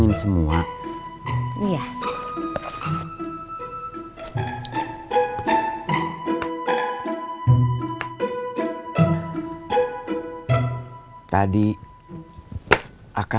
gak usah tanya